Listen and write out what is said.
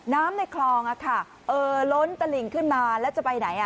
ในคลองล้นตลิ่งขึ้นมาแล้วจะไปไหน